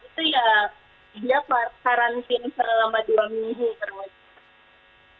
itu ya dia karantina selama dua minggu